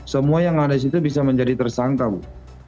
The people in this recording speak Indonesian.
semua yang ada di situ bisa menjadi tersangka bu